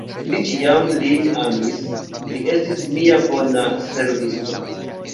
Mi ĉiam lin amis, li estis mia bona servisto.